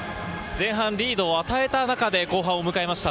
前半リードを与えた中での後半でした。